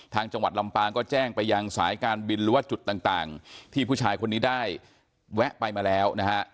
จังหวัดลำปางก็แจ้งไปยังสายการบินหรือว่าจุดต่างที่ผู้ชายคนนี้ได้แวะไปมาแล้วนะฮะ